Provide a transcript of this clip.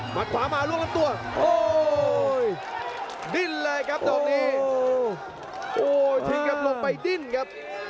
หมัดขวามาล่วงลับตัวโอ้ยดิ้นเลยครับตรงนี้โอ้ยทิ้งกับลงไปดิ้นครับ